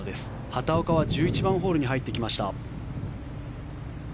畑岡は１１番ホールに入ってきました。